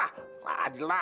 ah adil lah